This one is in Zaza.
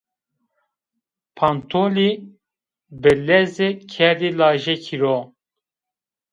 Pantolî bi leze kerdî lajekî ro